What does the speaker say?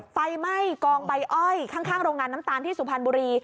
ไฟไหม้กองใบอ้อยข้างโรงงานน้ำตาลที่สุพรรณบุรี